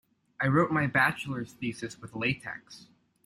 I wrote my bachelor thesis with latex.